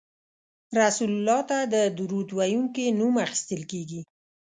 رسول الله ته د درود ویونکي نوم اخیستل کیږي